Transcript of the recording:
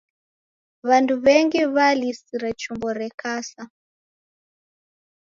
W'andu w'engi w'alisire chumbo rekasa.